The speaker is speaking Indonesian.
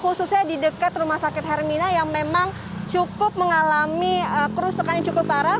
khususnya di dekat rumah sakit hermina yang memang cukup mengalami kerusakan yang cukup parah